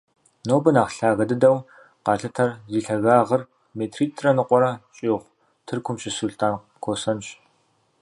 Нобэ нэхъ лъагэ дыдэу къалъытэр, зи лъагагъыр метритӏрэ ныкъуэм щӏигъу, Тыркум щыщ Сулътӏан Косэнщ.